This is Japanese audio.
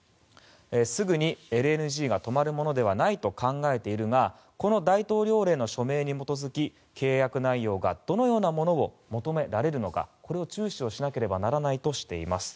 すぐにＬＮＧが止まるものではないと考えているがこの大統領令に基づき契約内容がどのようなものを求められるのかこれを注視しなければならないとしています。